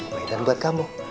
mainan buat kamu